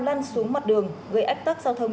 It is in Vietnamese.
lăn xuống mặt đường gây ách tắc giao thông